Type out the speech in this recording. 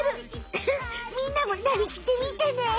ウフッみんなもなりきってみてね！